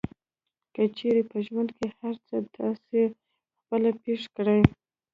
که چېرې په ژوند کې هر څه تاسې خپله پېښ کړئ.